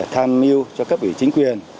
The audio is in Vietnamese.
tham mưu cho các vị chính quyền